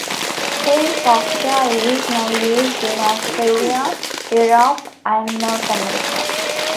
Zing software is now used in Australasia, Europe and North America.